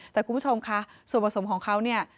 แต่คุณผู้ชมคะส่วนผสมของเขาเนี่ย